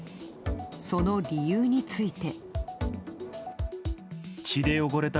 その理由について。